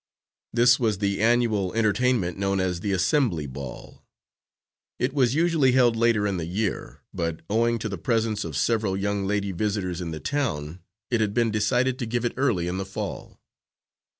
This was the annual entertainment known as the Assembly Ball. It was usually held later in the year, but owing to the presence of several young lady visitors in the town, it had been decided to give it early in the fall.